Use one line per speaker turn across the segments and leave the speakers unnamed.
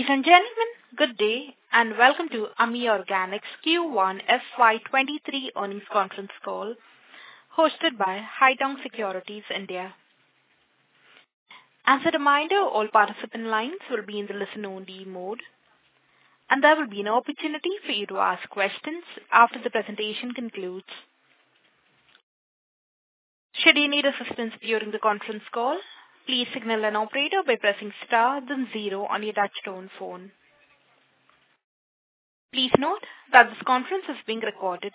Ladies and gentlemen, good day and welcome to Ami Organics Q1 FY23 earnings conference call hosted by Haitong Securities India. As a reminder, all participant lines will be in the listen-only mode, and there will be an opportunity for you to ask questions after the presentation concludes. Should you need assistance during the conference call, please signal an operator by pressing star, then zero on your touch-tone phone. Please note that this conference is being recorded.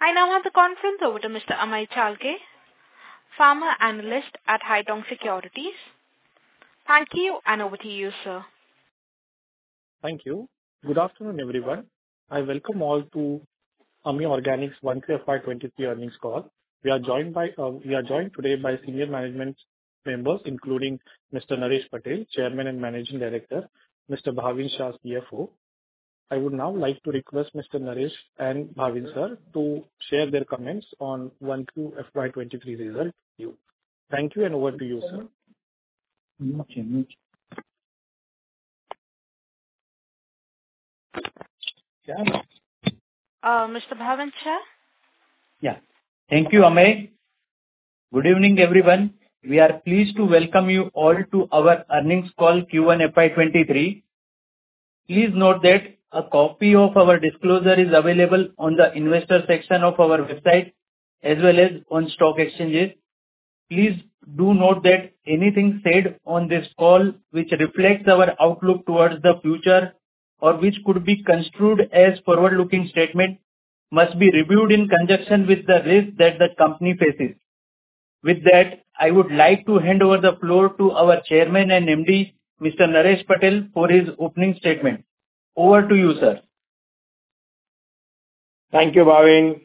I now hand the conference over to Mr. Amey Chalke, Pharma Analyst at Haitong Securities India. Thank you, and over to you, sir.
Thank you. Good afternoon, everyone. I welcome all to Ami Organics 1Q FY23 earnings call. We are joined today by senior management members, including Mr. Naresh Patel, Chairman and Managing Director, Mr. Bhavin Shah, CFO. I would now like to request Mr. Naresh and Bhavin sir to share their comments on 1Q FY23 result view. Thank you, and over to you, sir.
Okay.
Yeah?
Mr. Bhavin Shah?
Yeah. Thank you, Amey. Good evening, everyone. We are pleased to welcome you all to our earnings call Q1 FY23. Please note that a copy of our disclosure is available on the investor section of our website, as well as on stock exchanges. Please do note that anything said on this call, which reflects our outlook towards the future or which could be construed as forward-looking statements, must be reviewed in conjunction with the risk that the company faces. With that, I would like to hand over the floor to our Chairman and MD, Mr. Naresh Patel, for his opening statement. Over to you, sir.
Thank you, Bhavin.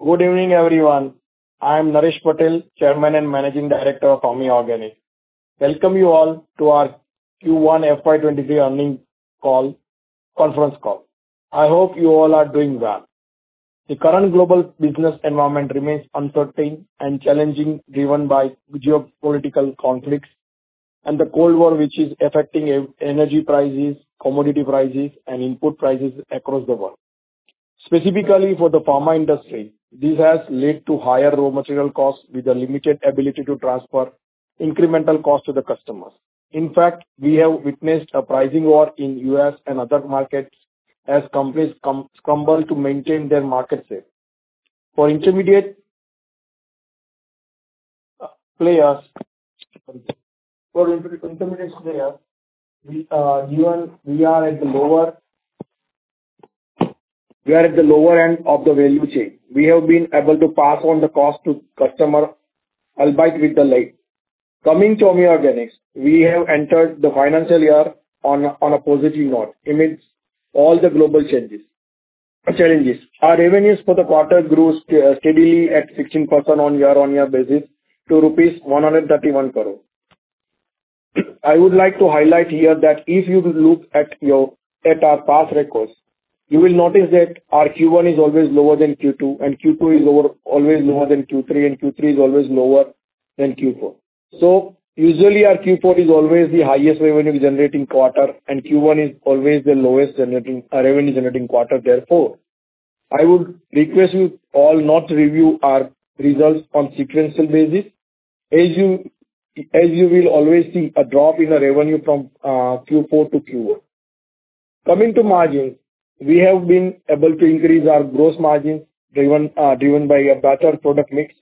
Good evening, everyone. I am Naresh Patel, Chairman and Managing Director of Ami Organics. Welcome you all to our Q1 FY23 earnings call conference call. I hope you all are doing well. The current global business environment remains uncertain and challenging, driven by geopolitical conflicts and the Ukraine War, which is affecting energy prices, commodity prices, and input prices across the world. Specifically for the pharma industry, this has led to higher raw material costs with a limited ability to transfer incremental costs to the customers. In fact, we have witnessed a pricing war in the U.S. and other markets as companies scramble to maintain their market share. For intermediate players, we are at the lower end of the value chain. We have been able to pass on the cost to customers albeit with delay. Coming to Ami Organics, we have entered the financial year on a positive note amidst all the global challenges. Our revenues for the quarter grew steadily at 16% on a year-on-year basis to rupees 131 crore. I would like to highlight here that if you look at our past records, you will notice that our Q1 is always lower than Q2, and Q2 is always lower than Q3, and Q3 is always lower than Q4. So usually, our Q4 is always the highest revenue-generating quarter, and Q1 is always the lowest revenue-generating quarter. Therefore, I would request you all not to review our results on a sequential basis, as you will always see a drop in revenue from Q4 to Q1. Coming to margins, we have been able to increase our gross margins driven by a better product mix,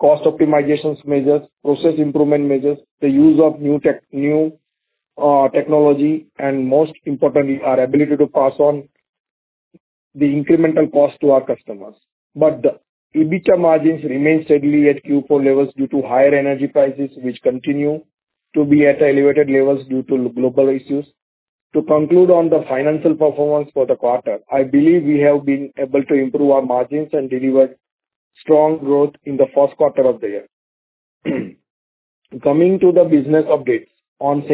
cost optimization measures, process improvement measures, the use of new technology, and most importantly, our ability to pass on the incremental cost to our customers. But EBITDA margins remain steadily at Q4 levels due to higher energy prices, which continue to be at elevated levels due to global issues. To conclude on the financial performance for the quarter, I believe we have been able to improve our margins and deliver strong growth in the first quarter of the year. Coming to the business updates, on a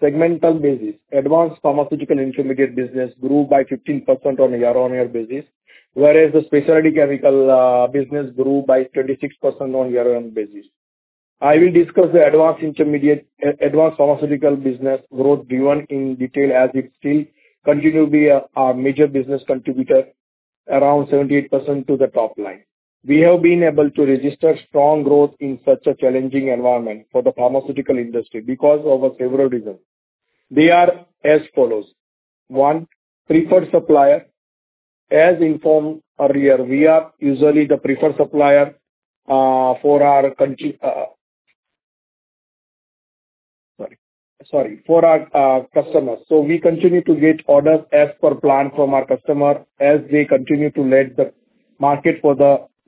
segmental basis, Advanced Pharmaceutical Intermediates business grew by 15% on a year-on-year basis, whereas the Specialty Chemicals business grew by 26% on a year-on-year basis. I will discuss the advanced pharmaceutical business growth driven in detail as it still continues to be our major business contributor, around 78% to the top line. We have been able to register strong growth in such a challenging environment for the pharmaceutical industry because of several reasons. They are as follows: one, preferred supplier. As informed earlier, we are usually the preferred supplier for our, sorry, sorry, for our customers. So we continue to get orders as per plan from our customers as they continue to let the market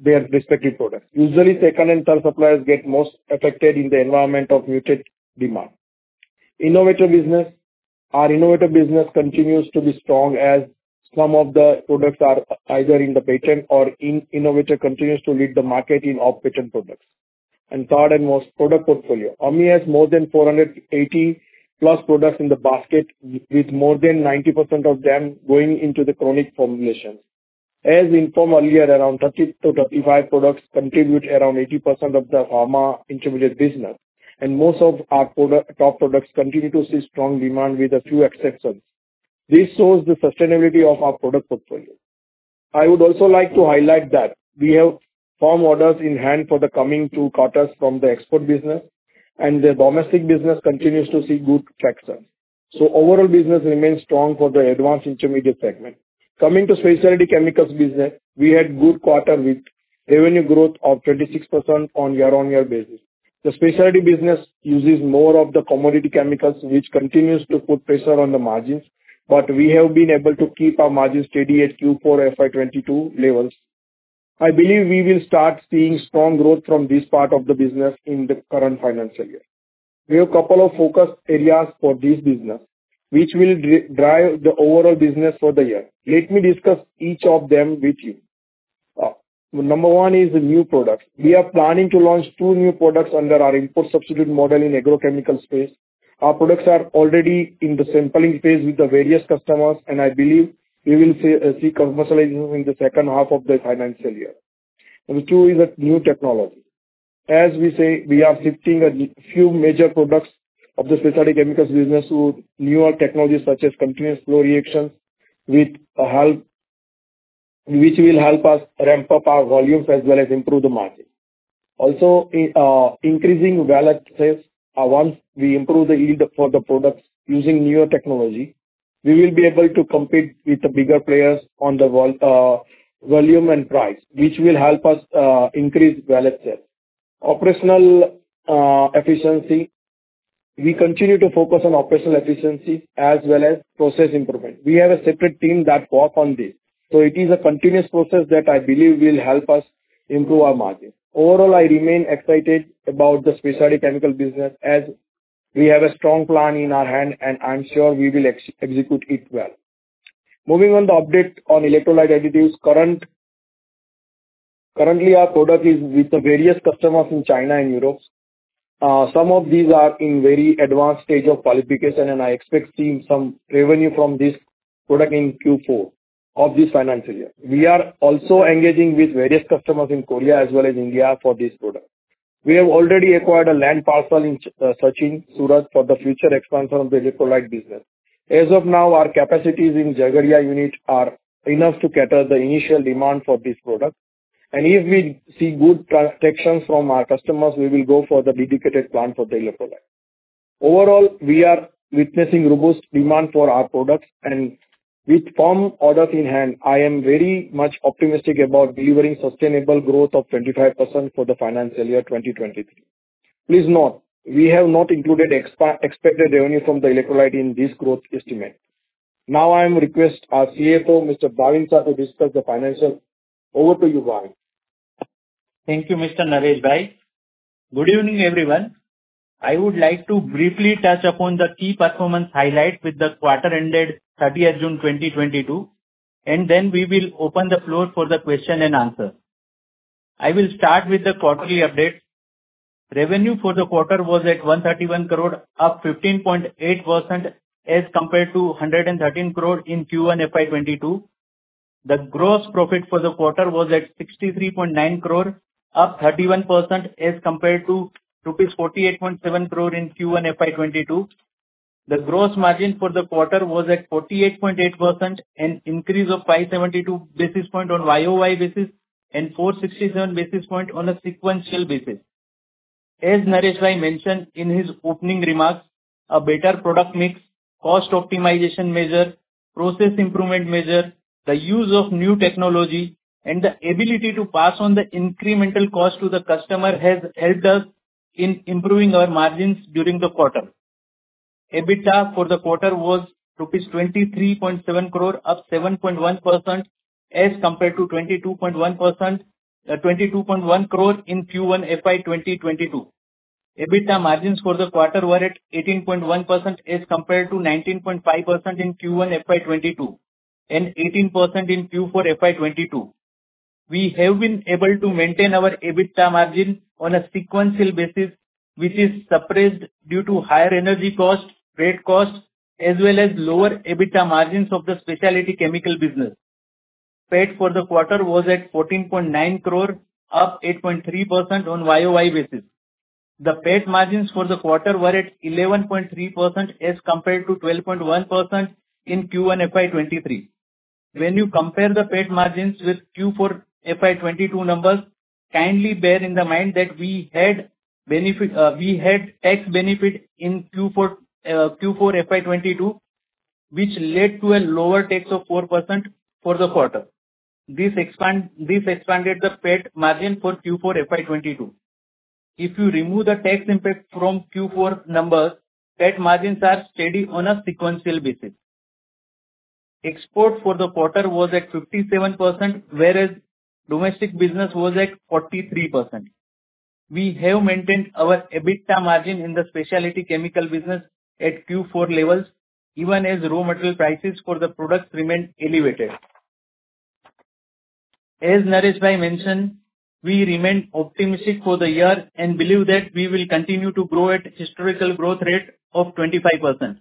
for their respective products. Usually, second and third suppliers get most affected in the environment of muted demand. Our innovative business continues to be strong as some of the products are either in the patent or innovative continues to lead the market in off-patent products. And third and most, product portfolio. Ami has more than 480+ products in the basket, with more than 90% of them going into the chronic formulations. As informed earlier, around 30-35 products contribute around 80% of the pharma intermediate business, and most of our top products continue to see strong demand with a few exceptions. This shows the sustainability of our product portfolio. I would also like to highlight that we have firm orders in hand for the coming two quarters from the export business, and the domestic business continues to see good traction. So overall business remains strong for the advanced intermediate segment. Coming to specialty chemicals business, we had good quarter with revenue growth of 26% on a year-on-year basis. The specialty business uses more of the commodity chemicals, which continues to put pressure on the margins, but we have been able to keep our margins steady at Q4 FY22 levels. I believe we will start seeing strong growth from this part of the business in the current financial year. We have a couple of focus areas for this business, which will drive the overall business for the year. Let me discuss each of them with you. Number one is new products. We are planning to launch two new products under our import substitute model in agrochemical space. Our products are already in the sampling phase with the various customers, and I believe we will see commercialization in the second half of the financial year. Number two is new technology. As we say, we are shifting a few major products of the specialty chemicals business to newer technologies such as continuous flow reactions, which will help us ramp up our volumes as well as improve the margin. Also, increasing volume sales once we improve the yield for the products using newer technology. We will be able to compete with the bigger players on the volume and price, which will help us increase volume sales. Operational efficiency. We continue to focus on operational efficiency as well as process improvement. We have a separate team that works on this. So it is a continuous process that I believe will help us improve our margin. Overall, I remain excited about the specialty chemical business as we have a strong plan in our hand, and I'm sure we will execute it well. Moving on the update on electrolyte additives, currently our product is with the various customers in China and Europe. Some of these are in a very advanced stage of qualification, and I expect to see some revenue from this product in Q4 of this financial year. We are also engaging with various customers in Korea as well as India for this product. We have already acquired a land parcel in Sachin, Surat, for the future expansion of the electrolyte business. As of now, our capacities in Jhagadia unit are enough to cater the initial demand for this product. If we see good projections from our customers, we will go for the dedicated plant for the electrolyte. Overall, we are witnessing robust demand for our products. With firm orders in hand, I am very much optimistic about delivering sustainable growth of 25% for the financial year 2023. Please note, we have not included expected revenue from the electrolyte in this growth estimate. Now I am going to request our CFO, Mr. Bhavin Shah, to discuss the financials. Over to you, Bhavin.
Thank you, Mr. Naresh Bhai. Good evening, everyone. I would like to briefly touch upon the key performance highlights with the quarter ended 30th June 2022, and then we will open the floor for the question and answer. I will start with the quarterly updates. Revenue for the quarter was at 131 crore, up 15.8% as compared to 113 crore in Q1 FY22. The gross profit for the quarter was at 63.9 crore, up 31% as compared to rupees 48.7 crore in Q1 FY22. The gross margin for the quarter was at 48.8%, an increase of 572 basis points on YOY basis and 467 basis points on a sequential basis. As Naresh Bhai mentioned in his opening remarks, a better product mix, cost optimization measures, process improvement measures, the use of new technology, and the ability to pass on the incremental cost to the customer have helped us in improving our margins during the quarter. EBITDA for the quarter was rupees 23.7 crore, up 7.1% as compared to 22.1 crore in Q1 FY2022. EBITDA margins for the quarter were at 18.1% as compared to 19.5% in Q1 FY22 and 18% in Q4 FY22. We have been able to maintain our EBITDA margin on a sequential basis, which is suppressed due to higher energy cost, freight cost, as well as lower EBITDA margins of the specialty chemical business. PAT for the quarter was at 14.9 crore, up 8.3% on YOY basis. The PAT margins for the quarter were at 11.3% as compared to 12.1% in Q1 FY23. When you compare the PAT margins with Q4 FY22 numbers, kindly bear in mind that we had tax benefit in Q4 FY22, which led to a lower tax of 4% for the quarter. This expanded the PAT margin for Q4 FY22. If you remove the tax impact from Q4 numbers, PAT margins are steady on a sequential basis. Export for the quarter was at 57%, whereas domestic business was at 43%. We have maintained our EBITDA margin in the specialty chemical business at Q4 levels, even as raw material prices for the products remain elevated. As Naresh Bhai mentioned, we remain optimistic for the year and believe that we will continue to grow at a historical growth rate of 25%.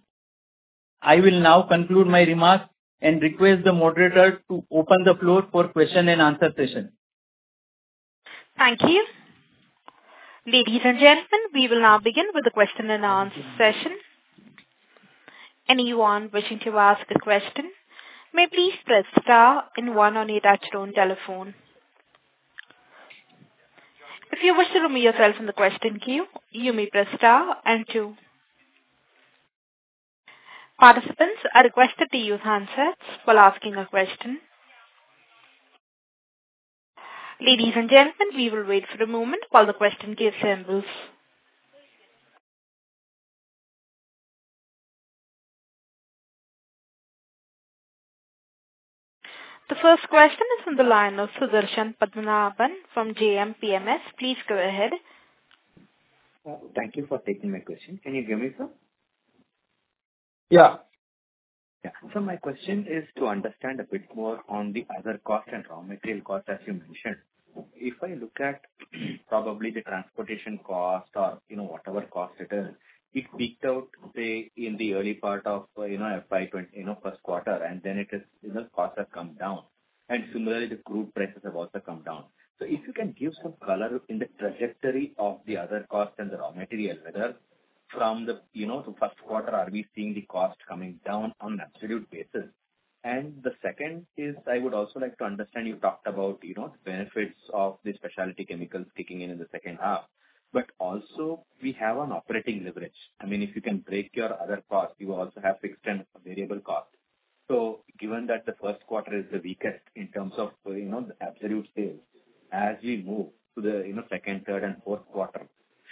I will now conclude my remarks and request the moderator to open the floor for question and answer session.
Thank you. Ladies and gentlemen, we will now begin with the question and answer session. Anyone wishing to ask a question may please press star one on your touch-tone telephone. If you wish to remove yourself from the question queue, you may press star two. Participants are requested to use handsets while asking a question. Ladies and gentlemen, we will wait for a moment while the question queue assembles. The first question is from the line of Sudarshan Padmanabhan from JM Financial. Please go ahead.
Thank you for taking my question. Can you hear me, sir?
Yeah.
So my question is to understand a bit more on the other cost and raw material cost as you mentioned. If I look at probably the transportation cost or whatever cost it is, it peaked out, say, in the early part of FY20, first quarter, and then the costs have come down. And similarly, the crude prices have also come down. So if you can give some color in the trajectory of the other cost and the raw material, whether from the first quarter, are we seeing the cost coming down on an absolute basis? And the second is I would also like to understand you talked about the benefits of the specialty chemicals kicking in in the second half. But also, we have an operating leverage. I mean, if you can break your other cost, you also have fixed and variable costs. Given that the first quarter is the weakest in terms of the absolute sales, as we move to the second, third, and fourth quarter,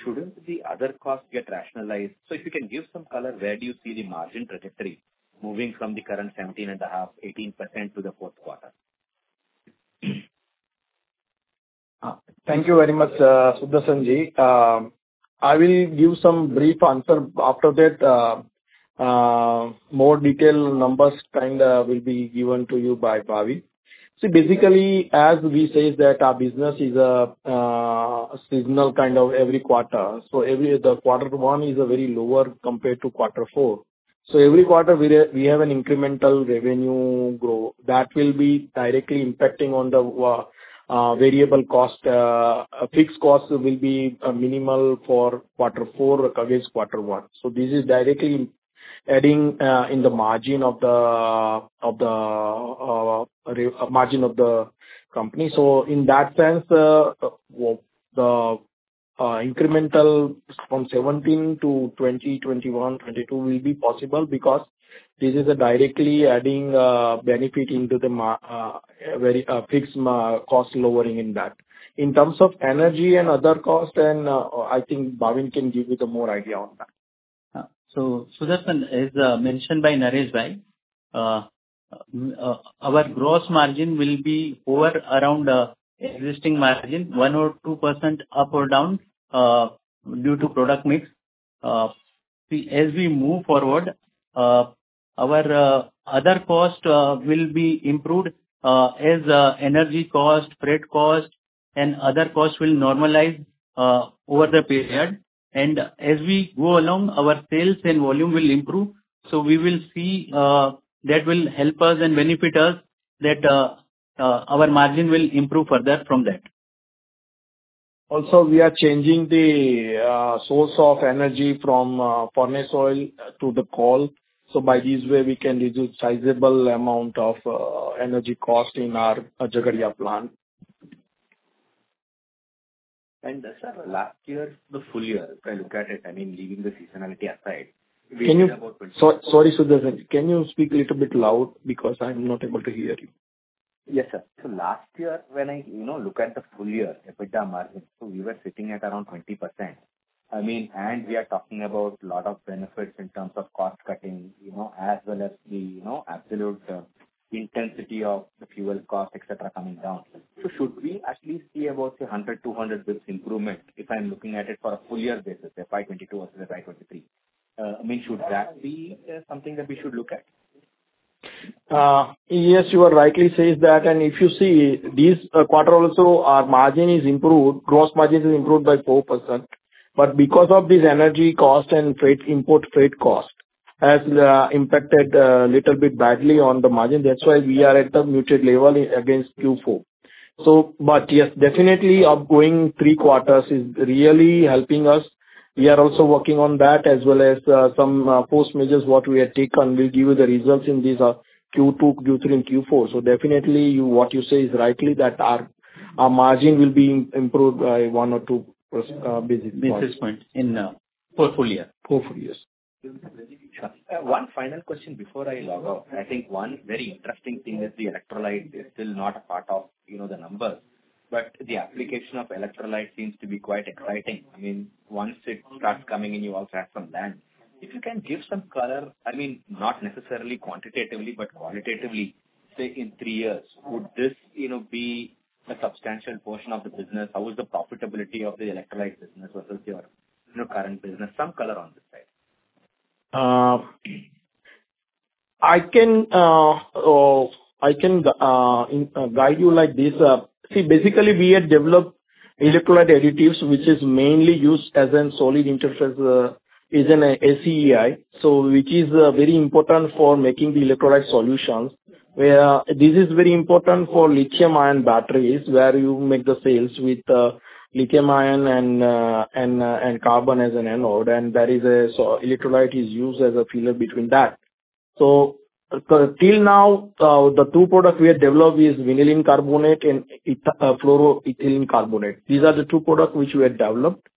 shouldn't the other costs get rationalized? If you can give some color, where do you see the margin trajectory moving from the current 17.5%-18% to the fourth quarter?
Thank you very much, Sudarshan Ji. I will give some brief answer after that. More detailed numbers kind of will be given to you by Bhavin. See, basically, as we say that our business is a seasonal kind of every quarter. So the quarter one is very lower compared to quarter four. So every quarter, we have an incremental revenue growth that will be directly impacting on the variable cost. Fixed costs will be minimal for quarter four against quarter one. So this is directly adding in the margin of the margin of the company. So in that sense, the incremental from 2017 to 2020, 2021, 2022 will be possible because this is directly adding benefit into the fixed cost lowering in that. In terms of energy and other costs, and I think Bhavin can give you the more idea on that.
So Sudarshan, as mentioned by Naresh Bhai, our gross margin will be over around the existing margin, 1% or 2% up or down due to product mix. See, as we move forward, our other costs will be improved as energy cost, freight cost, and other costs will normalize over the period. And as we go along, our sales and volume will improve. So we will see that will help us and benefit us that our margin will improve further from that.
Also, we are changing the source of energy from furnace oil to the coal. So by this way, we can reduce a sizable amount of energy cost in our Jhagadia plant.
Sir, last year, the full year, if I look at it, I mean, leaving the seasonality aside, we had about 20.
Sorry, Sudarshan, can you speak a little bit loud because I'm not able to hear you?
Yes, sir. So last year, when I look at the full year EBITDA margin, so we were sitting at around 20%. I mean, and we are talking about a lot of benefits in terms of cost cutting as well as the absolute intensity of the fuel cost, etc., coming down. So should we at least see about 100-200 basis points improvement if I'm looking at it for a full year basis, FY22 versus FY23? I mean, should that be something that we should look at?
Yes, you are rightly saying that. If you see, this quarter also, our margin is improved. Gross margin is improved by 4%. Because of this energy cost and import freight cost has impacted a little bit badly on the margin, that's why we are at a muted level against Q4. But yes, definitely, upcoming three quarters is really helping us. We are also working on that as well as some cost measures what we have taken. We'll give you the results in these Q2, Q3, and Q4. Definitely, what you say is rightly that our margin will be improved by one or two basis points.
Basis points in the portfolio?
Portfolios.
One final question before I log out. I think one very interesting thing is the electrolyte. It's still not a part of the numbers, but the application of electrolyte seems to be quite exciting. I mean, once it starts coming in, you also have some land. If you can give some color, I mean, not necessarily quantitatively, but qualitatively, say, in three years, would this be a substantial portion of the business? How was the profitability of the electrolyte business versus your current business? Some color on this side.
I can guide you like this. See, basically, we have developed electrolyte additives, which is mainly used as an SEI, which is very important for making the electrolyte solutions. This is very important for lithium-ion batteries where you make the cells with lithium-ion and carbon as an anode. And there is an electrolyte is used as a filler between that. So till now, the two products we have developed is vinylene carbonate and fluoroethylene carbonate. These are the two products which we have developed.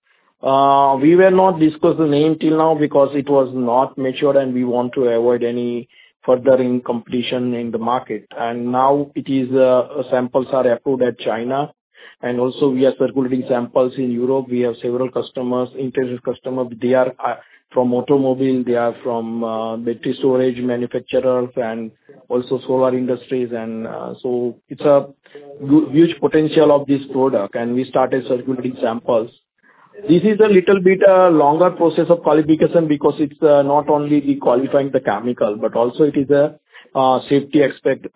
We were not discussing the name till now because it was not matured, and we want to avoid any further competition in the market. And now, samples are approved in China. And also, we are circulating samples in Europe. We have several customers, international customers. They are from automobile. They are from battery storage manufacturers and also solar industries. It's a huge potential of this product. We started circulating samples. This is a little bit longer process of qualification because it's not only qualifying the chemical, but also it is a safety aspect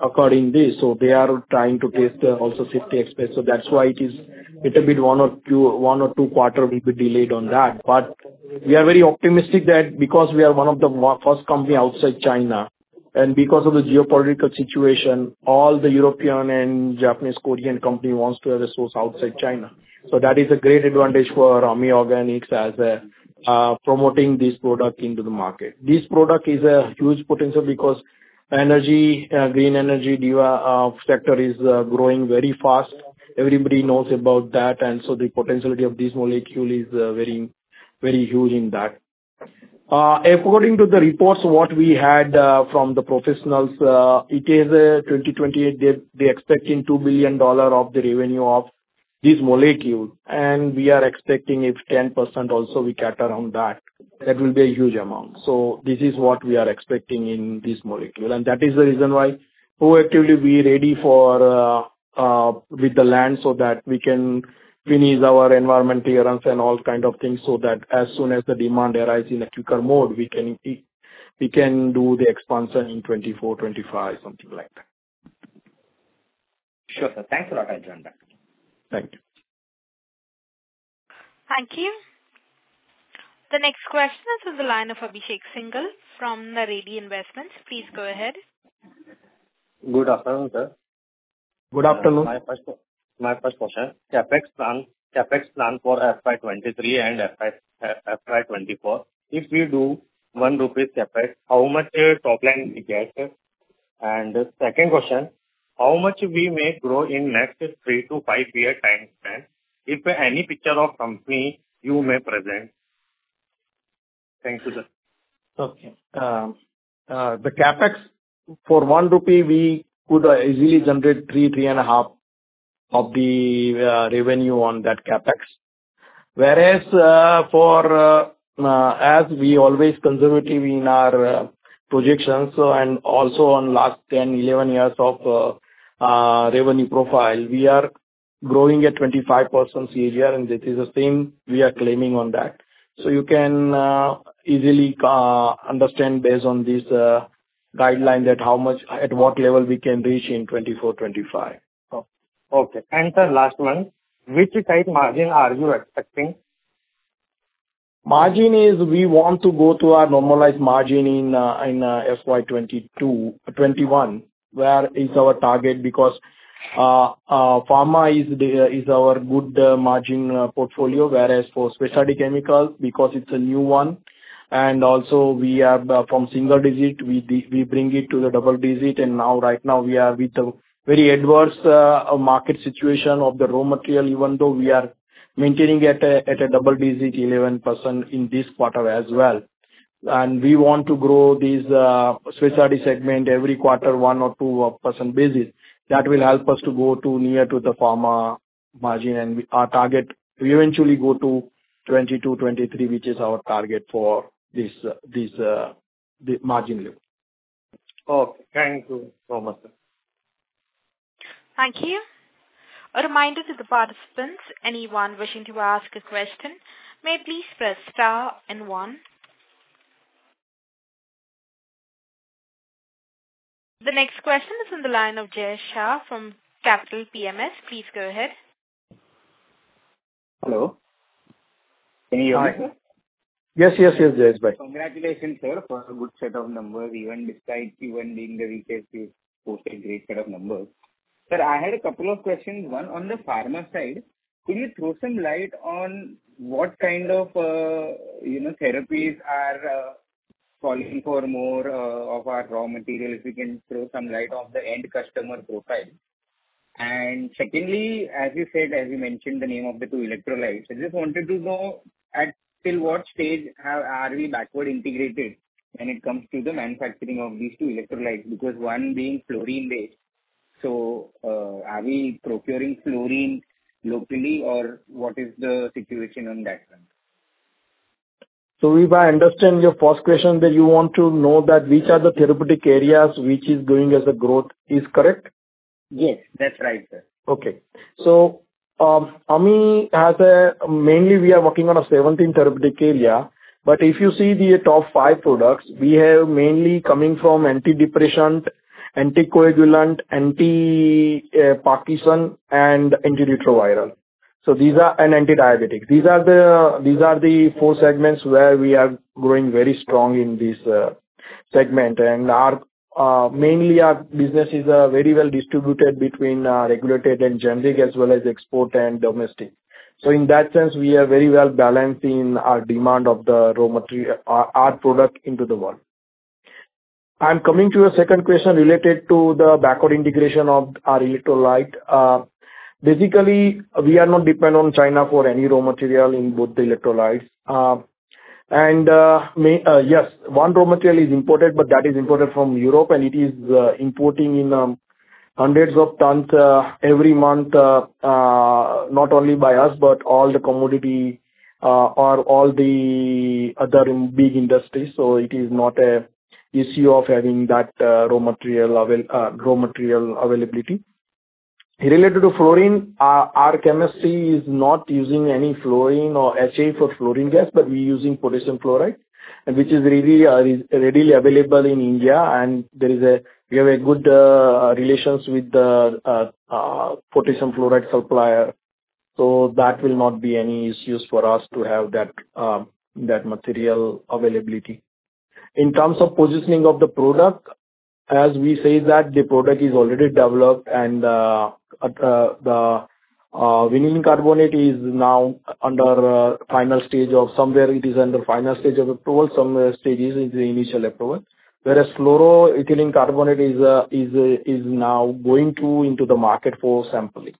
according to this. They are trying to test also safety aspects. That's why it is a little bit one or two quarters will be delayed on that. We are very optimistic that because we are one of the first companies outside China and because of the geopolitical situation, all the European and Japanese, Korean companies want to have a source outside China. That is a great advantage for Ami Organics as promoting this product into the market. This product is a huge potential because green energy sector is growing very fast. Everybody knows about that. The potentiality of this molecule is very huge in that. According to the reports what we had from the professionals, it is 2028. They are expecting $2 billion of the revenue of this molecule. And we are expecting if 10% also we catch around that, that will be a huge amount. So this is what we are expecting in this molecule. And that is the reason why proactively we are ready with the land so that we can finish our Environment Clearance and all kind of things so that as soon as the demand arises in a quicker mode, we can do the expansion in 2024, 2025, something like that.
Sure, sir. Thanks a lot, as well.
Thank you.
Thank you. The next question is on the line of Abhishek Singh from Arihant Capital. Please go ahead.
Good afternoon, sir.
Good afternoon.
My first question. CapEx plan for FY23 and FY24, if we do 1 rupees CapEx, how much top line we get? And second question, how much we may grow in the next 3-5-year time span if any picture of company you may present? Thank you, sir. Okay. The CapEx, for 1 rupee, we could easily generate 3-3.5 of the revenue on that CapEx. Whereas as we are always conservative in our projections and also on the last 10-11 years of revenue profile, we are growing at 25% each year. And this is the same we are claiming on that. So you can easily understand based on this guideline at what level we can reach in 2024, 2025. Okay. And, sir, last one, which type margin are you expecting?
Margin is we want to go to our normalized margin in FY 2021 where it's our target because pharma is our good margin portfolio. Whereas for specialty chemicals, because it's a new one and also we are from single digit, we bring it to the double digit. And now, right now, we are with a very adverse market situation of the raw material, even though we are maintaining at a double digit, 11% in this quarter as well. And we want to grow this specialty segment every quarter 1%-2% basis. That will help us to go near to the pharma margin. And our target, we eventually go to 22%-23%, which is our target for this margin level. Okay. Thank you so much, sir.
Thank you. A reminder to the participants, anyone wishing to ask a question may please press star and one. The next question is on the line of Jayesh Shah from Capital PMS. Please go ahead.
Hello? Can you hear me?
Yes, yes, yes, Jayesh.
Congratulations, sir, for a good set of numbers, even despite you being the weakest quarter, posting a great set of numbers. Sir, I had a couple of questions. One, on the pharma side, can you throw some light on what kind of therapies are calling for more of our raw material if you can throw some light on the end customer profile? And secondly, as you mentioned the name of the two electrolytes, I just wanted to know till what stage are we backward integrated when it comes to the manufacturing of these two electrolytes? Because one being fluorine-based, so are we procuring fluorine locally or what is the situation on that front?
If I understand your first question that you want to know which are the therapeutic areas which is going as a growth, is correct?
Yes, that's right, sir.
Okay. So mainly, we are working on a 17 therapeutic area. But if you see the top 5 products, we are mainly coming from antidepressant, anticoagulant, anti-Parkinson, and antiretroviral. So these are antidiabetic. These are the four segments where we are growing very strong in this segment. Mainly, our business is very well distributed between regulated and generic as well as export and domestic. So in that sense, we are very well balancing our demand of our product into the world. I'm coming to your second question related to the backward integration of our electrolyte. Basically, we are not dependent on China for any raw material in both the electrolytes. Yes, one raw material is imported, but that is imported from Europe. It is importing in hundreds of tons every month, not only by us but all the commodity or all the other big industries. So it is not an issue of having that raw material availability. Related to fluorine, our chemistry is not using any fluorine or HF for fluorine gas, but we are using potassium fluoride, which is readily available in India. We have good relations with the potassium fluoride supplier. That will not be any issues for us to have that material availability. In terms of positioning of the product, as we say that the product is already developed and the vinylene carbonate is now under final stage of somewhere it is under final stage of approval, some stages in the initial approval. Whereas fluoroethylene carbonate is now going into the market for sampling.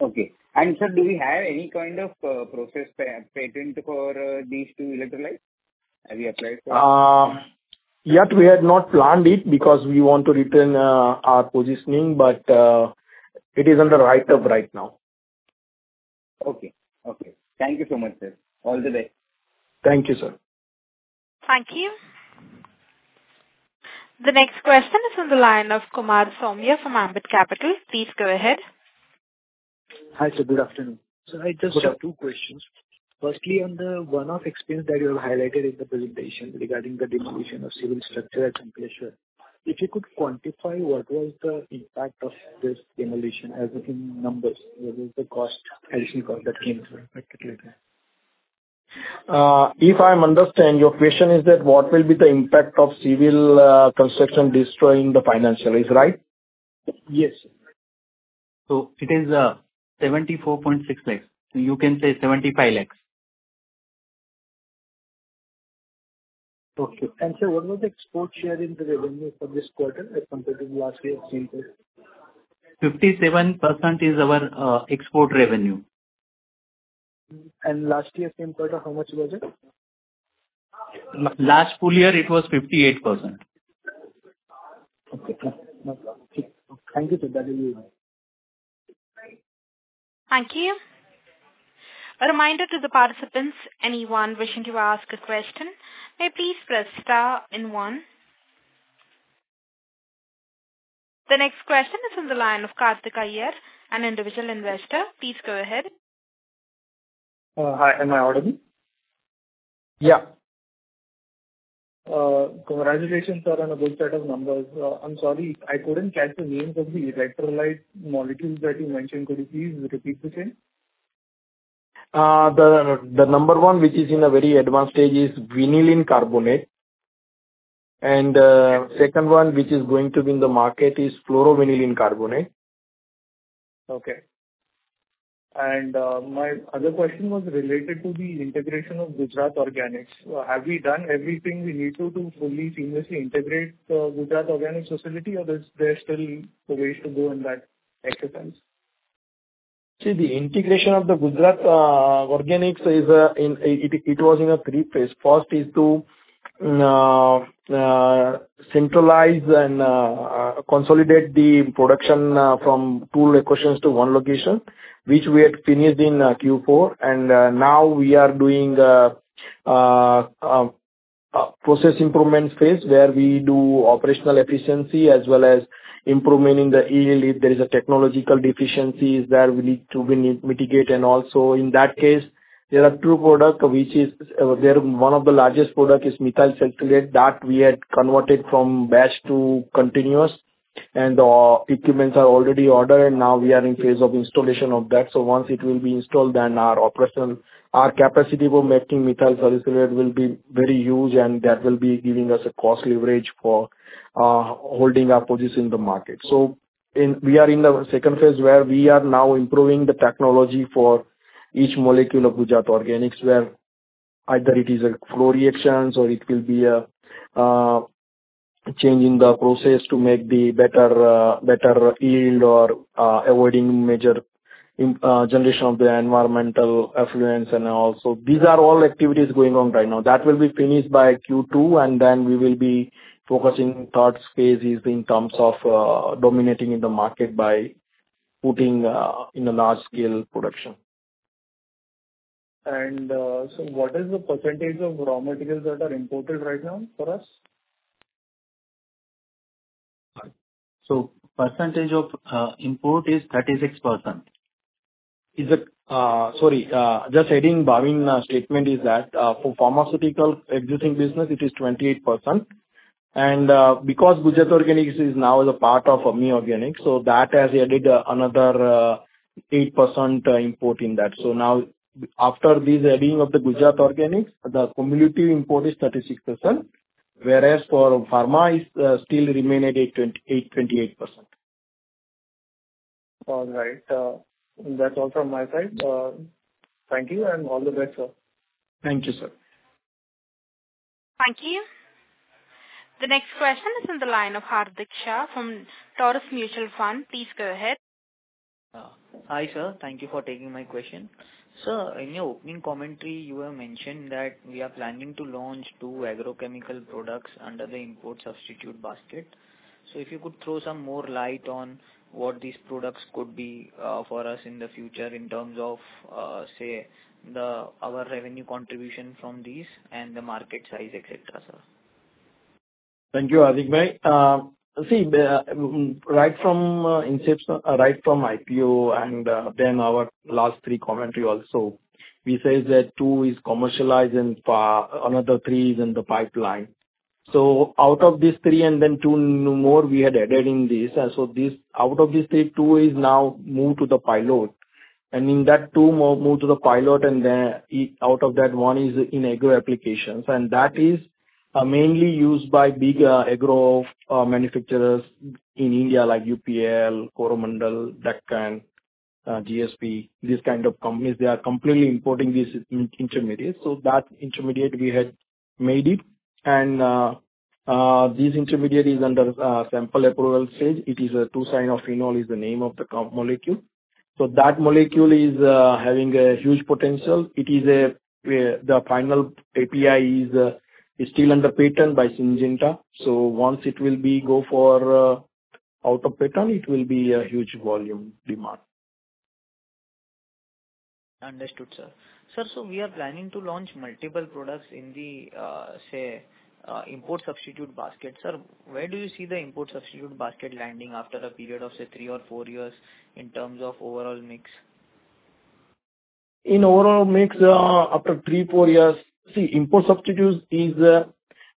Okay. Sir, do we have any kind of process patent for these two electrolytes? Have you applied for it?
Yet, we have not planned it because we want to return our positioning, but it is under write-up right now.
Okay. Okay. Thank you so much, sir. All the best.
Thank you, sir.
Thank you. The next question is on the line of Kumar Saumya from Ambit Capital. Please go ahead.
Hi, sir. Good afternoon. I just have two questions. Firstly, on the one-off experience that you have highlighted in the presentation regarding the demolition of civil structure at Sachin, Surat, if you could quantify what was the impact of this demolition in numbers, what was the additional cost that came through?
Let me get later. If I understand your question, is that what will be the impact of civil construction destroying the financial? Is that right?
Yes, sir. So it is 74.6 lakhs. So you can say 75 lakhs.
Okay. Sir, what was the export share in the revenue for this quarter as compared to last year?
57% is our export revenue.
Last year's same quarter, how much was it?
Last full year, it was 58%.
Okay. Thank you, sir. That will be all.
Thank you. A reminder to the participants, anyone wishing to ask a question may please press star and one. The next question is on the line of Karthika Iyer, an individual investor. Please go ahead.
Hi. Am I audible?
Yeah.
Congratulations, sir, on a good set of numbers. I'm sorry, I couldn't catch the names of the electrolyte molecules that you mentioned. Could you please repeat the chain?
The number one, which is in a very advanced stage, is vinylene carbonate. The second one, which is going to be in the market, is fluoroethylene carbonate.
Okay. And my other question was related to the integration of Gujarat Organics. Have we done everything we need to to fully, seamlessly integrate Gujarat Organics facility, or is there still a way to go in that exercise?
See, the integration of Gujarat Organics, it was in three phases. First is to centralize and consolidate the production from two locations to one location, which we had finished in Q4. Now, we are doing a process improvement phase where we do operational efficiency as well as improvement in the yield if there is a technological deficiency that we need to mitigate. Also, in that case, there are two products, which one of the largest products is methyl salicylate that we had converted from batch to continuous. And the equipment is already ordered. Now, we are in phase of installation of that. So once it will be installed, then our capacity for making methyl salicylate will be very huge. And that will be giving us a cost leverage for holding our position in the market. So we are in the second phase where we are now improving the technology for each molecule of Gujarat Organics, where either it is a flow reaction or it will be a change in the process to make the better yield or avoiding major generation of the environmental effluent. And also, these are all activities going on right now. That will be finished by Q2. And then we will be focusing on the third phase in terms of dominating in the market by putting in a large-scale production.
What is the percentage of raw materials that are imported right now for us?
Percentage of import is 36%.
Sorry, just adding Bhavin's statement is that for pharmaceutical existing business, it is 28%. Because Gujarat Organics is now a part of Ami Organics, so that has added another 8% import in that. Now, after this adding of Gujarat Organics, the cumulative import is 36%. Whereas for pharma, it still remained at 28%.
All right. That's all from my side. Thank you. All the best, sir.
Thank you, sir.
Thank you. The next question is on the line of Hardik Shah from Taurus Mutual Fund. Please go ahead.
Hi, sir. Thank you for taking my question. Sir, in your opening commentary, you have mentioned that we are planning to launch two agrochemical products under the import substitute basket. So if you could throw some more light on what these products could be for us in the future in terms of, say, our revenue contribution from these and the market size, etc., sir?
Thank you, Hardik Bhai. See, right from IPO and then our last three commentary also, we say that 2 is commercialized and another 3 is in the pipeline. So out of these 3 and then 2 more, we had added in this. And so out of these 3, 2 is now moved to the pilot. And in that 2, moved to the pilot. And then out of that, 1 is in agro applications. And that is mainly used by big agro manufacturers in India like UPL, Coromandel, Deccan, GSP, these kind of companies. They are completely importing these intermediates. So that intermediate, we had made it. And this intermediate is under sample approval stage. It is a 2-cyanophenol is the name of the molecule. So that molecule is having a huge potential. The final API is still under patent by Syngenta. Once it will go out of patent, it will be a huge volume demand.
Understood, sir. Sir, so we are planning to launch multiple products in the import substitute basket. Sir, where do you see the import substitute basket landing after a period of, say, three or four years in terms of overall mix?
In overall mix, after 3, 4 years see, import substitutes is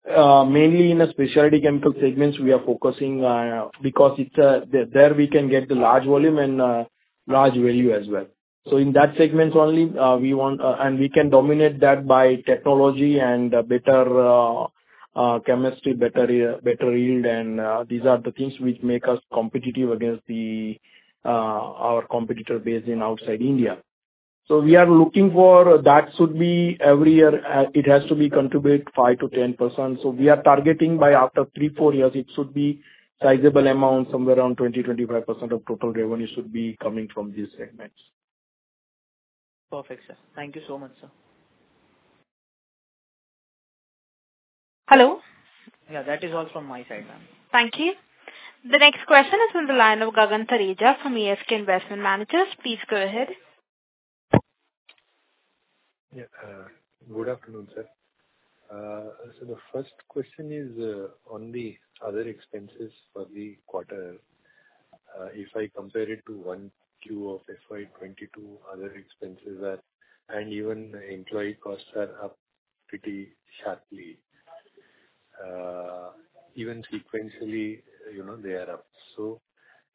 mainly in a specialty chemical segment we are focusing because there, we can get the large volume and large value as well. So in that segment only, we want and we can dominate that by technology and better chemistry, better yield. And these are the things which make us competitive against our competitor based outside India. So we are looking for that should be every year, it has to contribute 5%-10%. So we are targeting by after 3, 4 years, it should be sizable amount, somewhere around 20%-25% of total revenue should be coming from these segments.
Perfect, sir. Thank you so much, sir.
Hello?
Yeah, that is all from my side, ma'am.
Thank you. The next question is on the line of Gagan Thareja from ASK Investment Managers. Please go ahead.
Yeah. Good afternoon, sir. So the first question is on the other expenses for the quarter. If I compare it to 1Q of FY22, other expenses and even employee costs are up pretty sharply. Even sequentially, they are up. So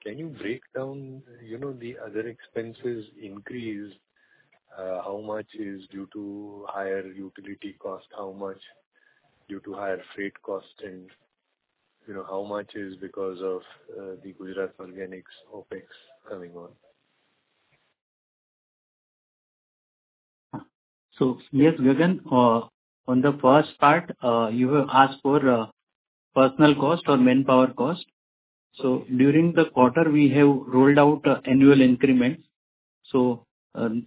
can you break down the other expenses increase? How much is due to higher utility cost? How much due to higher freight cost? And how much is because of the Gujarat Organics OPEX coming on?
So yes, Gagan, on the first part, you have asked for personal cost or manpower cost. So during the quarter, we have rolled out annual increments. So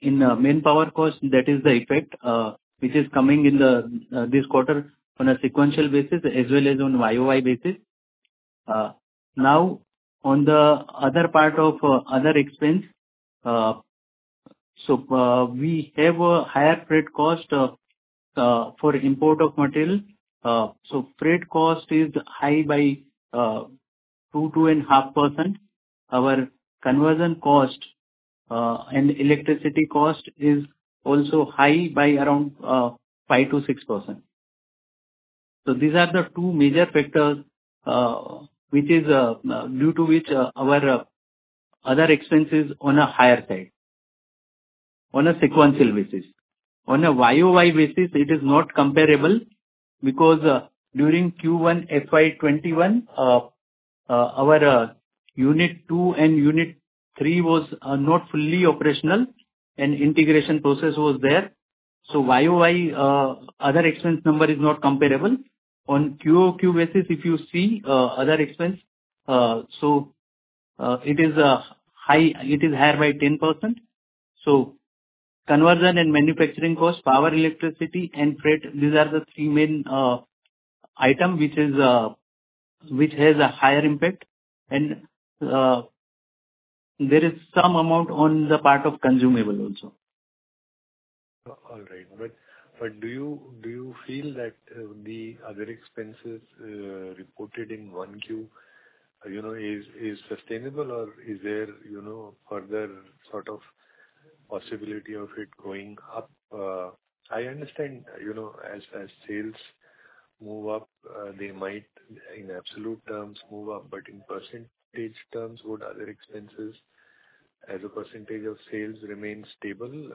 in manpower cost, that is the effect which is coming in this quarter on a sequential basis as well as on YOY basis. Now, on the other part of other expense, so we have higher freight cost for import of material. So freight cost is high by 2-2.5%. Our conversion cost and electricity cost is also high by around 5%-6%. So these are the two major factors due to which our other expenses are on a higher side on a sequential basis. On a YOY basis, it is not comparable because during Q1 FY 2021, our unit two and unit three were not fully operational. And integration process was there. So year-over-year, other expense number is not comparable. On quarter-over-quarter basis, if you see other expense, so it is high by 10%. So conversion and manufacturing cost, power, electricity, and freight, these are the three main items which has a higher impact. And there is some amount on the part of consumable also.
All right. But do you feel that the other expenses reported in 1Q are sustainable, or is there further sort of possibility of it going up? I understand as sales move up, they might in absolute terms move up. But in percentage terms, would other expenses as a percentage of sales remain stable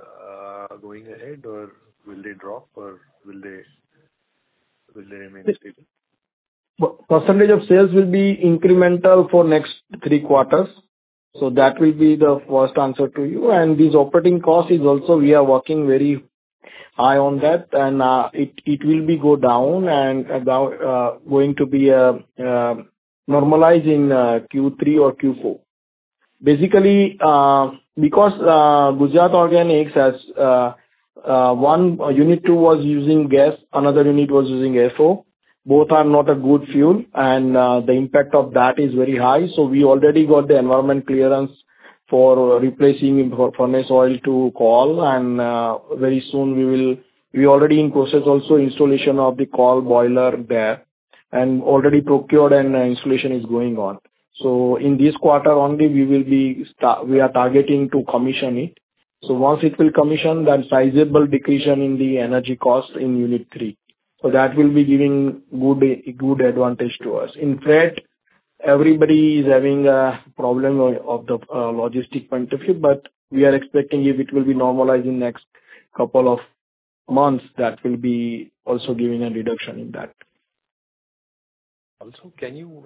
going ahead, or will they drop, or will they remain stable?
Percentage of sales will be incremental for next three quarters. So that will be the first answer to you. And this operating cost is also we are working very high on that. And it will go down and going to be normalized in Q3 or Q4. Basically, because Gujarat Organics, unit two was using gas, another unit was using FO. Both are not a good fuel. And the impact of that is very high. So we already got the environment clearance for replacing furnace oil to coal. And very soon, we are already in process also installation of the coal boiler there and already procured, and installation is going on. So in this quarter only, we are targeting to commission it. So once it will commission, then sizable decrease in the energy cost in unit three. So that will be giving good advantage to us. In freight, everybody is having a problem from the logistics point of view. But we are expecting if it will be normalized in the next couple of months, that will be also giving a reduction in that.
Also, can you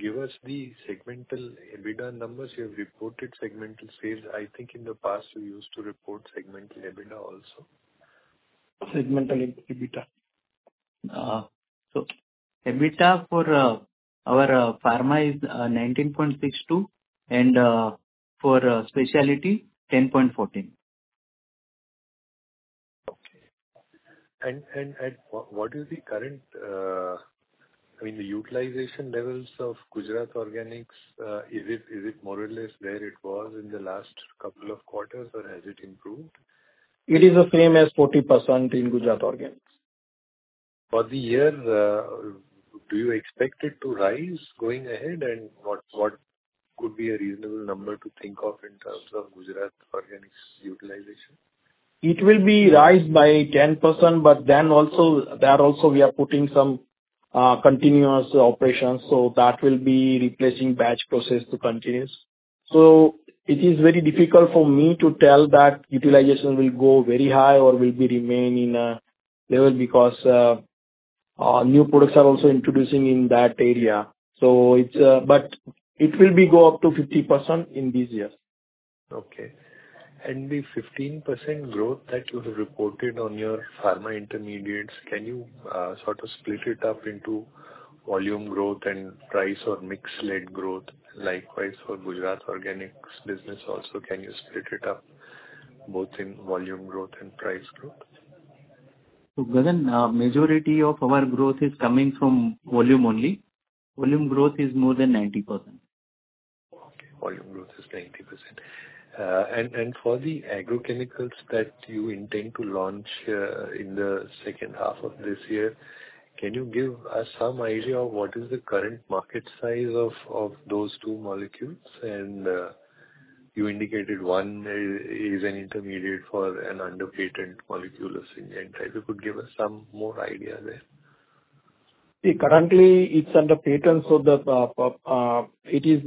give us the segmental EBITDA numbers? You have reported segmental sales. I think in the past, you used to report segmental EBITDA also.
Segmental EBITDA. EBITDA for our pharma is 19.62. For specialty, 10.14.
Okay. And what is the current I mean, the utilization levels of Gujarat Organics, is it more or less where it was in the last couple of quarters, or has it improved?
It is the same as 40% in Gujarat Organics.
For the year, do you expect it to rise going ahead? What could be a reasonable number to think of in terms of Gujarat Organics utilization?
It will rise by 10%. But then also, we are putting some continuous operations. So that will be replacing batch process to continuous. So it is very difficult for me to tell that utilization will go very high or will remain in a level because new products are also introducing in that area. But it will go up to 50% in these years.
Okay. And the 15% growth that you have reported on your pharma intermediates, can you sort of split it up into volume growth and price or mix-led growth? Likewise, for Gujarat Organics business also, can you split it up both in volume growth and price growth?
So Gagan, majority of our growth is coming from volume only. Volume growth is more than 90%.
Okay. Volume growth is 90%. And for the agrochemicals that you intend to launch in the second half of this year, can you give us some idea of what is the current market size of those two molecules? And you indicated one is an intermediate for an under-patent molecule of Syngenta. If you could give us some more idea there.
See, currently, it's under patent. So it is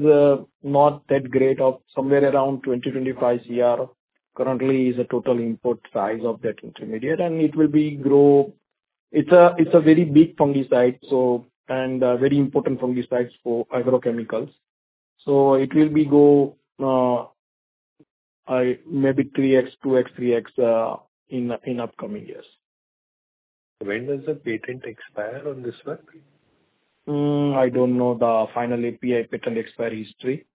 not that great of somewhere around 20-25 crore currently is the total import size of that intermediate. And it will grow. It's a very big fungicide and very important fungicide for agrochemicals. So it will go maybe 3x, 2x, 3x in upcoming years.
When does the patent expire on this one?
I don't know the final API patent expiration history.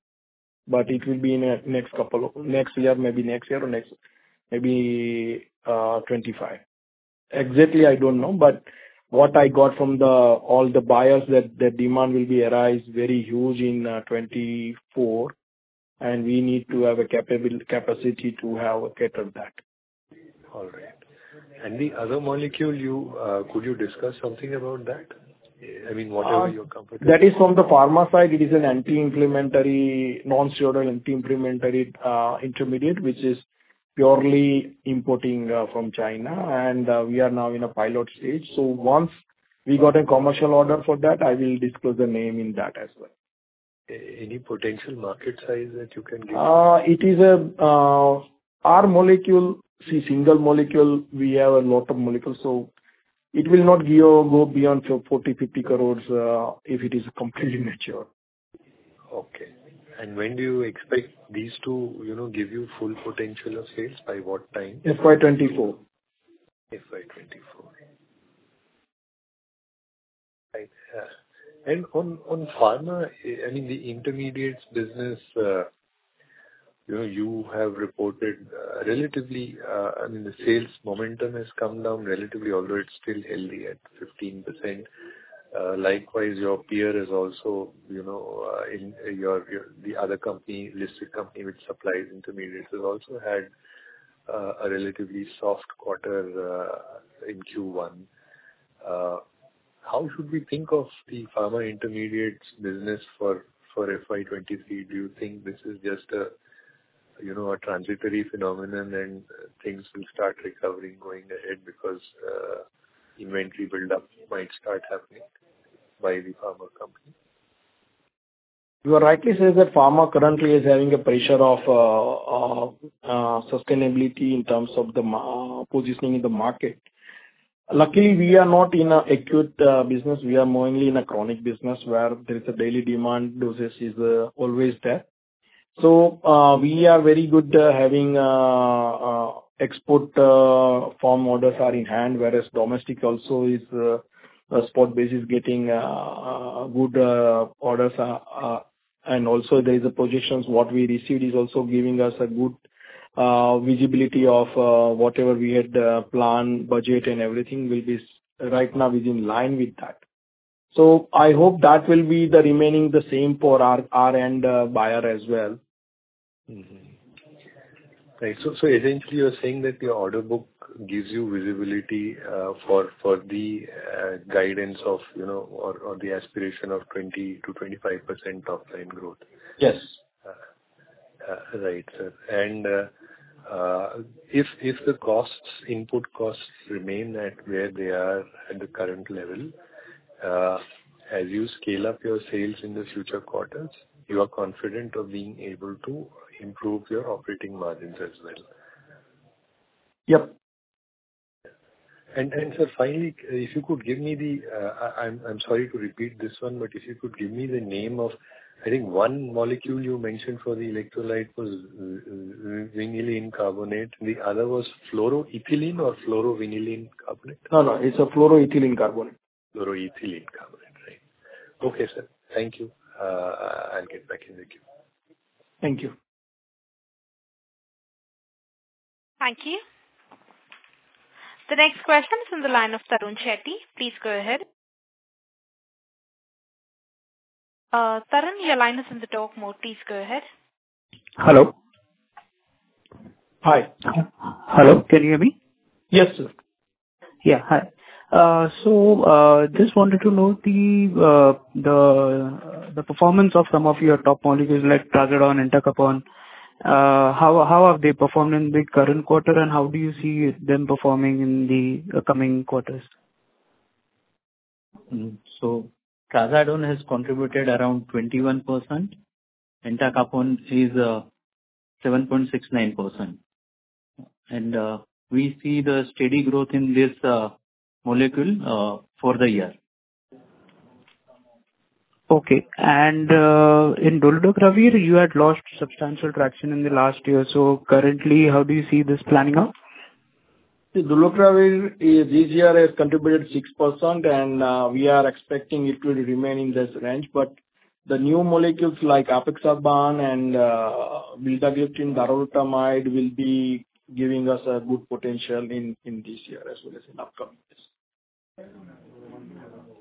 But it will be in the next couple of next year, maybe next year or maybe 2025. Exactly, I don't know. But what I got from all the buyers, the demand will arise very huge in 2024. And we need to have a capacity to cater that.
All right. The other molecule, could you discuss something about that? I mean, whatever you're comfortable.
That is from the pharma side. It is an anti-inflammatory non-steroidal anti-inflammatory intermediate, which is purely importing from China. We are now in a pilot stage. Once we got a commercial order for that, I will disclose the name in that as well.
Any potential market size that you can give?
It is our molecule, see, single molecule, we have a lot of molecules. So it will not go beyond 40 crores-50 crores if it is completely mature.
Okay. And when do you expect these two give you full potential of sales? By what time?
FY24.
FY24. Right. And on pharma, I mean, the intermediates business, you have reported relatively I mean, the sales momentum has come down relatively, although it's still healthy at 15%. Likewise, your peer is also in the other company, listed company which supplies intermediates has also had a relatively soft quarter in Q1. How should we think of the pharma intermediates business for FY23? Do you think this is just a transitory phenomenon, and things will start recovering going ahead because inventory buildup might start happening by the pharma company?
You are rightly saying that pharma currently is having a pressure of sustainability in terms of the positioning in the market. Luckily, we are not in an acute business. We are mainly in a chronic business where there is a daily demand, dosage is always there. So we are very good having export form orders in hand, whereas domestic also is a spot basis getting good orders. Also, there is a projections. What we received is also giving us a good visibility of whatever we had planned, budget, and everything will be right now within line with that. So I hope that will be remaining the same for our end buyer as well.
Right. So essentially, you're saying that your order book gives you visibility for the guidance of or the aspiration of 20%-25% top-line growth?
Yes.
Right, sir. If the input costs remain at where they are at the current level, as you scale up your sales in the future quarters, you are confident of being able to improve your operating margins as well?
Yep.
Sir, finally, if you could give me the, I'm sorry to repeat this one, but if you could give me the name of, I think one molecule you mentioned for the electrolyte was vinylene carbonate. The other was Fluoroethylene or Fluorovinylene Carbonate?
No, no. It's a fluoroethylene carbonate.
fluoroethylene carbonate, right. Okay, sir. Thank you. I'll get back in the queue.
Thank you.
Thank you. The next question is on the line of Tarun Shetty. Please go ahead. Tarun, your line is in the talk mode. Please go ahead.
Hello.
Hi.
Hello.
Can you hear me?
Yes, sir. Yeah, hi. So just wanted to know the performance of some of your top molecules like trazodone, entacapone. How have they performed in the current quarter, and how do you see them performing in the coming quarters?
Trazodone has contributed around 21%. Entacapone is 7.69%. We see the steady growth in this molecule for the year.
Okay. And in dolutegravir, you had lost substantial traction in the last year. So currently, how do you see this planning out?
See, dolutegravir, this year has contributed 6%. We are expecting it will remain in this range. But the new molecules like apixaban and vildagliptin, darolutamide, will be giving us a good potential in this year as well as in upcoming years.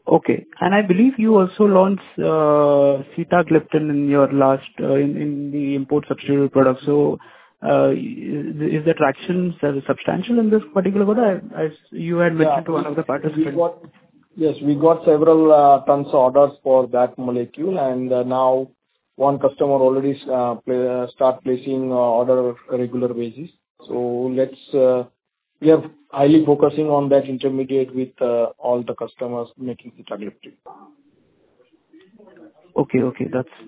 Okay. And I believe you also launched sitagliptin in the import substitute product. So is the traction substantial in this particular one? You had mentioned to one of the participants.
Yes, we got several tons of orders for that molecule. And now, one customer already started placing order on a regular basis. So we are highly focusing on that intermediate with all the customers making sitagliptin.
Okay, okay.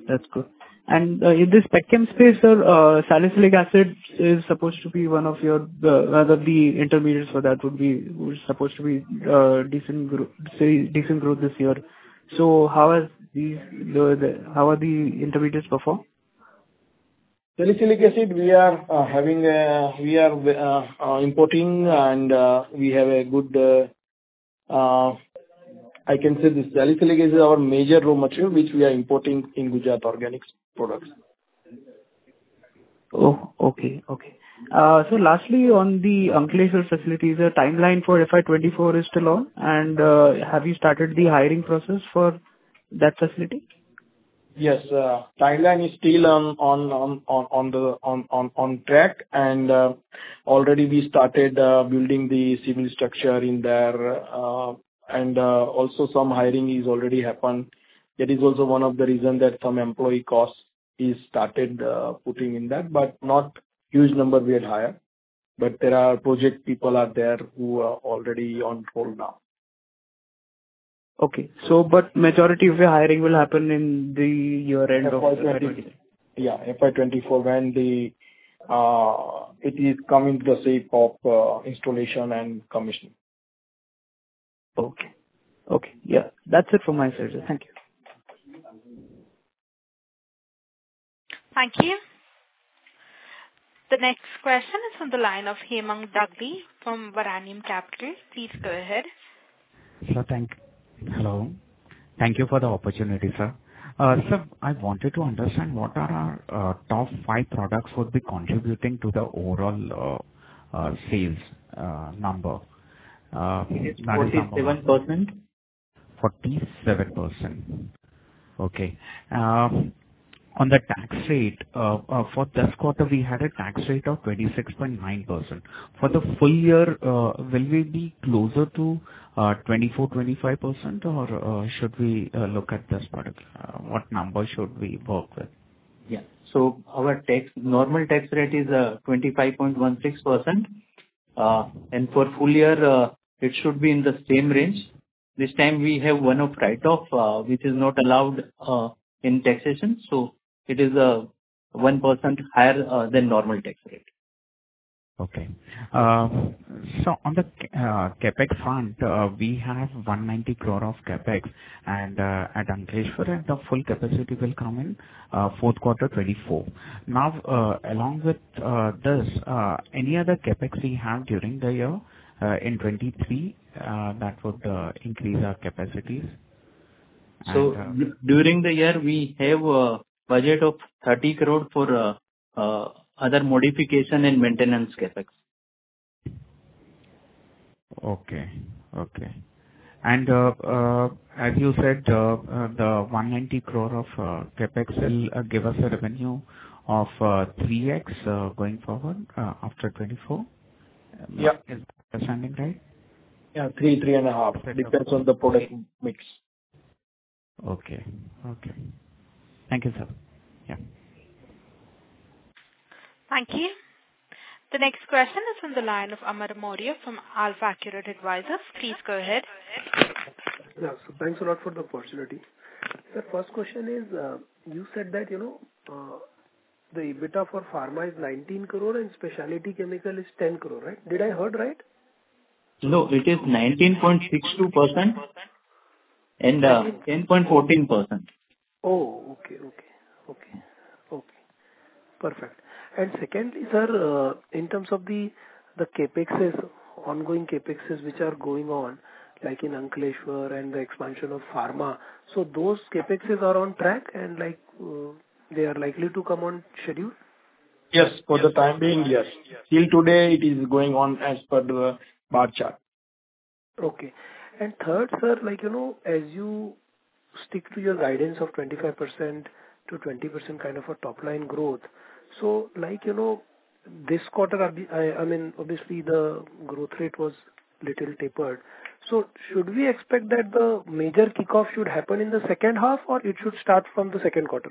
That's good. And in the spectrum space, sir, salicylic acid is supposed to be one of your rather, the intermediates for that would be supposed to be decent growth this year. So how are the intermediates perform?
salicylic acid, we are importing. We have a good, I can say, the salicylic acid is our major raw material, which we are importing in Gujarat Organics products.
Oh, okay, okay. Lastly, on the Ankleshwar and facilities, the timeline for FY2024 is still on. Have you started the hiring process for that facility?
Yes. Timeline is still on track. Already, we started building the civil structure in there. Also, some hiring has already happened. That is also one of the reasons that some employee cost is started putting in that. But not huge number we had hired. But there are project people out there who are already on hold now.
Okay. But majority of the hiring will happen in the year-end of FY24?
Yeah, FY24 when it is coming to the stage of installation and commissioning.
Okay, okay. Yeah, that's it from my side, sir. Thank you.
Thank you. The next question is on the line of Hemang Dadhich from Varanium Capital. Please go ahead.
Sir, thank you for the opportunity, sir. Sir, I wanted to understand what are our top five products that would be contributing to the overall sales number?
It is 47%.
47%. Okay. On the tax rate, for this quarter, we had a tax rate of 26.9%. For the full year, will we be closer to 24%-25%, or should we look at this product? What number should we work with?
Yeah. So our normal tax rate is 25.16%. And for full year, it should be in the same range. This time, we have one-off write-off, which is not allowed in taxation. So it is 1% higher than normal tax rate.
Okay. So on the CapEx front, we have 190 crore of CapEx. And at Ankleshwar, the full capacity will come in fourth quarter 2024. Now, along with this, any other CapEx we have during the year in 2023 that would increase our capacities?
During the year, we have a budget of 30 crore for other modification and maintenance CapEx.
Okay, okay. As you said, the 190 crore of CapEx will give us a revenue of 3x going forward after 2024. Is that understanding right?
Yeah, 3, 3.5. It depends on the product mix.
Okay, okay. Thank you, sir. Yeah.
Thank you. The next question is on the line of Amar Maurya from AlfAccurate Advisors. Please go ahead.
Yeah. So thanks a lot for the opportunity. Sir, first question is, you said that the beta for pharma is 19 crore and specialty chemical is 10 crore, right? Did I heard right?
No, it is 19.62% and 10.14%.
Oh, okay, okay, okay, okay. Perfect. And secondly, sir, in terms of the ongoing CapExes which are going on, like in Ankleshwar and the expansion of pharma, so those CapExes are on track, and they are likely to come on schedule?
Yes, for the time being, yes. Still today, it is going on as per the bar chart.
Okay. And third, sir, as you stick to your guidance of 25%-20% kind of a top-line growth, so this quarter I mean, obviously, the growth rate was little tapered. So should we expect that the major kickoff should happen in the second half, or it should start from the second quarter?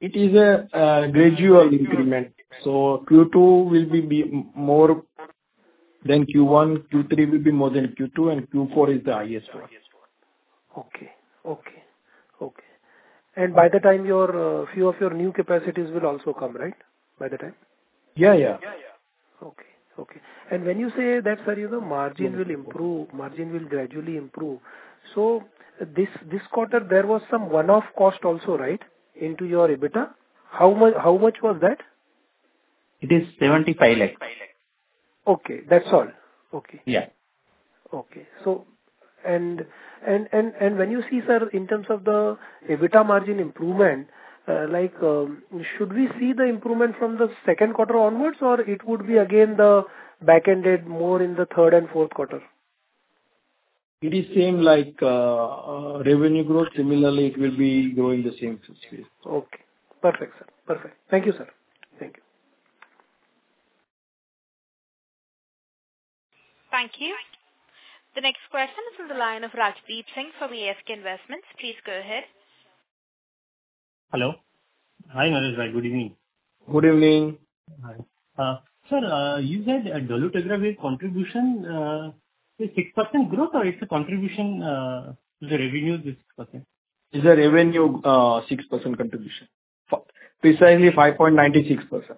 It is a gradual increment. So Q2 will be more than Q1. Q3 will be more than Q2. And Q4 is the highest one.
Okay, okay, okay. And by the time, a few of your new capacities will also come, right, by the time?
Yeah, yeah.
Okay, okay. When you say that, sir, the margin will gradually improve. This quarter, there was some one-off cost also, right, into your EBITDA. How much was that?
It is 75 lakh.
Okay. That's all? Okay.
Yeah.
Okay. And when you see, sir, in terms of the EBITDA margin improvement, should we see the improvement from the second quarter onwards, or it would be, again, the back-ended more in the third and fourth quarter?
It is same revenue growth. Similarly, it will be growing the same space.
Okay. Perfect, sir. Perfect. Thank you, sir. Thank you.
Thank you. The next question is on the line of Rajdeep Singh from ASK Investment Managers. Please go ahead.
Hello? Hi, Nareshbhai. Good evening. Good evening. Sir, you said dolutegravir contribution is 6% growth, or it's a contribution to the revenue is 6%? It's a revenue 6% contribution, precisely 5.96%.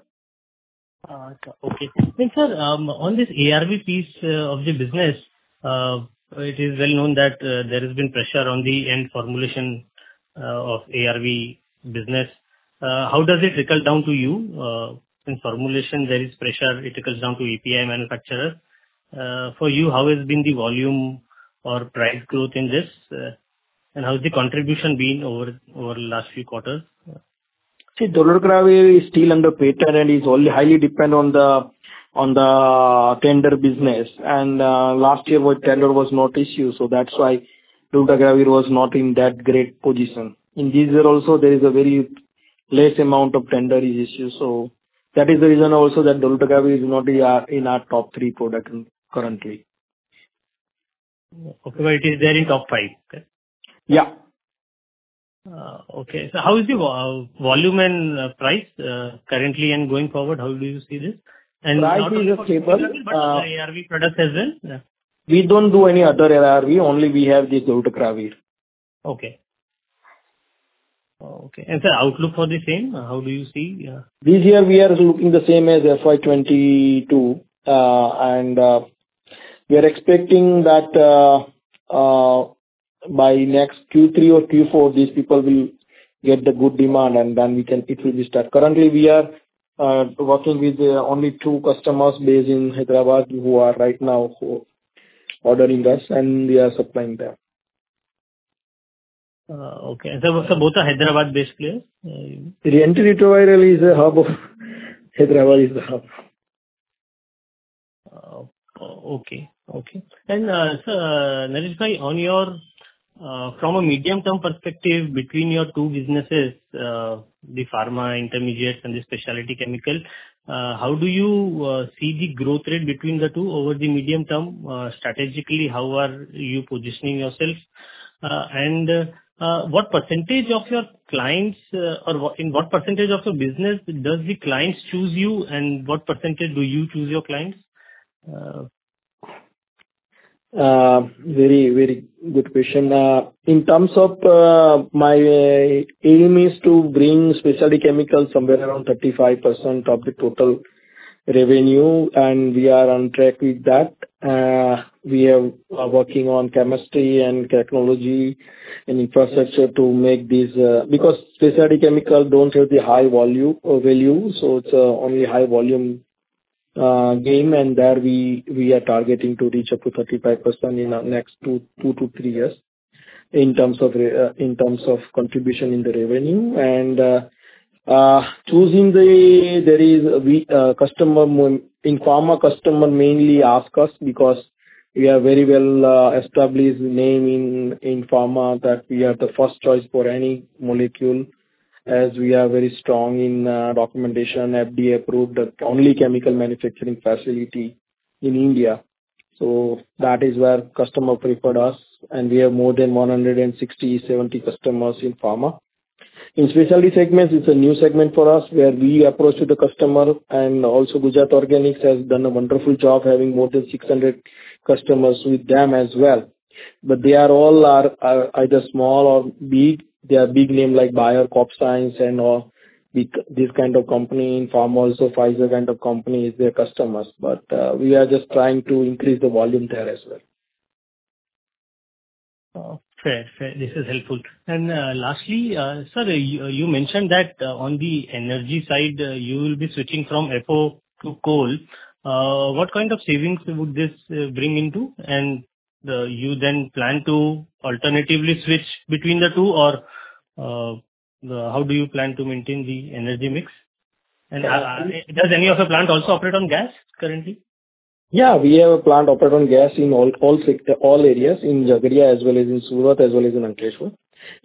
Okay. And sir, on this ARV piece of the business, it is well known that there has been pressure on the end formulation of ARV business. How does it trickle down to you? In formulation, there is pressure. It trickles down to API manufacturers. For you, how has been the volume or price growth in this? And how has the contribution been over the last few quarters?
See, dolutegravir is still under patent, and it's only highly dependent on the tender business. And last year, with tender, was not issued. So that's why dolutegravir was not in that great position. In this year also, there is a very less amount of tender issued. So that is the reason also that dolutegravir is not in our top three products currently.
Okay. But it is there in top five, okay? Yeah. Okay. So how is the volume and price currently and going forward? How do you see this? And not only. Price is stable, but ARV product as well? We don't do any other ARV. Only we have this dolutegravir. Okay, okay. And sir, outlook for the same, how do you see?
This year, we are looking the same as FY22. And we are expecting that by next Q3 or Q4, these people will get the good demand, and then it will be start. Currently, we are working with only two customers based in Hyderabad who are right now ordering us, and we are supplying them. Okay. And sir, both are Hyderabad-based players? Hyderabad is the antiviral hub.
Okay, okay. And sir, Nareshbhai, from a medium-term perspective, between your two businesses, the pharma intermediates and the specialty chemical, how do you see the growth rate between the two over the medium term? Strategically, how are you positioning yourself? And what percentage of your clients or in what percentage of your business does the clients choose you, and what percentage do you choose your clients?
Very, very good question. In terms of Ami, it is to bring specialty chemicals somewhere around 35% of the total revenue. And we are on track with that. We are working on chemistry and technology and infrastructure to make these because specialty chemicals don't have the high volume value. So it's only high-volume game. And there, we are targeting to reach up to 35% in our next two to three years in terms of contribution in the revenue. Choosing the there is a customer in pharma, customer mainly ask us because we are very well established name in pharma that we are the first choice for any molecule as we are very strong in documentation, FDA-approved, only chemical manufacturing facility in India. So that is where customer preferred us. And we have more than 1,670 customers in pharma. In specialty segments, it's a new segment for us where we approach to the customer. And also, Gujarat Organics has done a wonderful job having more than 600 customers with them as well. But they are all either small or big. They are big name like Bayer CropScience, and all these kind of company in pharma. Also, Pfizer kind of company is their customers. But we are just trying to increase the volume there as well.
Fair, fair. This is helpful. And lastly, sir, you mentioned that on the energy side, you will be switching from FO to coal. What kind of savings would this bring into? And you then plan to alternatively switch between the two, or how do you plan to maintain the energy mix? And does any of your plant also operate on gas currently?
Yeah, we have a plant operate on gas in all areas in Jhagadia as well as in Surat as well as in Ankleshwar.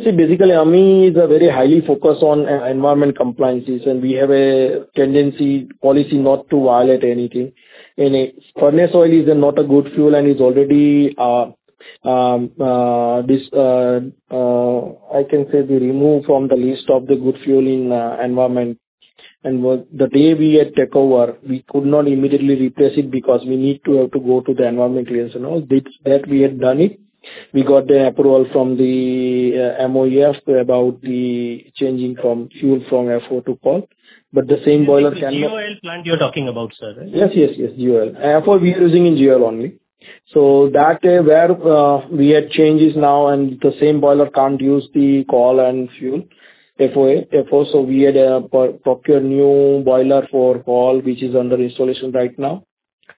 See, basically, Ami is very highly focused on environment compliances. And we have a tendency policy not to violate anything. Furnace oil is not a good fuel. And it's already this I can say we remove from the list of the good fuel in environment. And the day we had takeover, we could not immediately replace it because we need to have to go to the Environment Clearance and all. That we had done it. We got the approval from the MOEF about changing from fuel from FO to coal. But the same boiler cannot. It's the GOL plant you're talking about, sir, right? Yes, yes, yes, GOL. FO, we are using in GOL only. So where we had changes now, and the same boiler can't use the coal and fuel, FO. So we had procure new boiler for coal, which is under installation right now.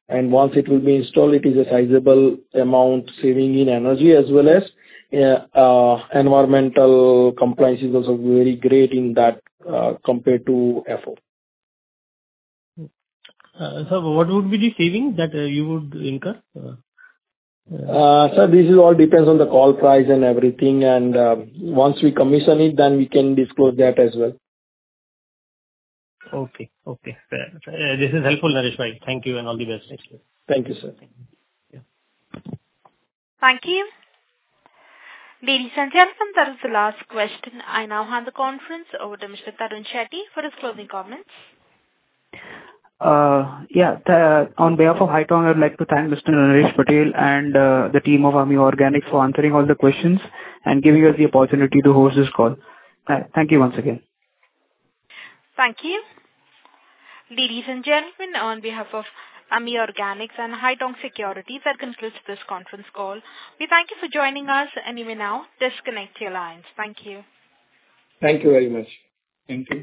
And once it will be installed, it is a sizable amount saving in energy as well as environmental compliances also very great in that compared to FO. Sir, what would be the savings that you would incur? Sir, this all depends on the coal price and everything. Once we commission it, then we can disclose that as well.
Okay, okay. This is helpful, Nareshbhai. Thank you and all the best next year. Thank you, sir.
Thank you. Ladies and gentlemen, that is the last question. I now hand the conference over to Mr. Tarun Shetty for his closing comments.
Yeah. On behalf of Haitong, I would like to thank Mr. Naresh Patel and the team of Ami Organics for answering all the questions and giving us the opportunity to host this call. Thank you once again.
Thank you. Ladies and gentlemen, on behalf of Ami Organics and Haitong Securities, that concludes this conference call. We thank you for joining us. Anyway, now disconnect your lines. Thank you.
Thank you very much.
Thank you.